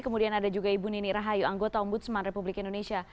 kemudian ada juga ibu nini rahayu anggota ombudsman republik indonesia